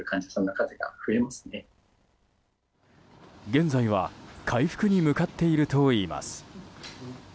現在は回復に向かっているといいます。